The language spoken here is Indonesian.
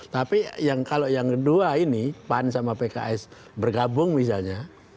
tapi kalau yang kedua ini pan sama pks bergabung misalnya